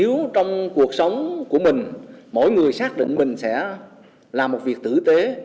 nếu trong cuộc sống của mình mỗi người xác định mình sẽ làm một việc tử tế